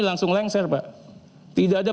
langsung lengser pak tidak ada